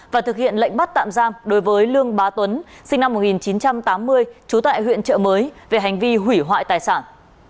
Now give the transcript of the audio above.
và thực hiện lệnh bắt tạm giam đối với lương bá tuấn sinh năm một nghìn chín trăm tám mươi trú tại huyện trợ mới về hành vi hủy hoại tài sản